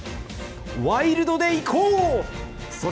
ワイルドでいこうっ！